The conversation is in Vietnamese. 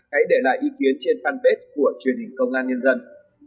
hãy để lại ý kiến trên fanpage của truyền hình công an nhân dân